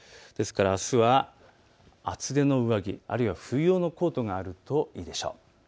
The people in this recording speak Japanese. ですからあすは、厚手の上着、あるいは冬用のコートがあるといいでしょう。